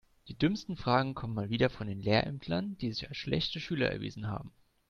Die dümmsten Fragen kommen mal wieder von den Lehrämtlern, die sich als schlechte Schüler erwiesen haben.